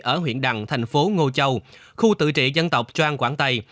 ở huyện đằng thành phố ngô châu khu tự trị dân tộc trang quảng tây